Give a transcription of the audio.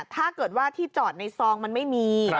ถ้าเกิดว่าที่จอดในซองมันไม่มี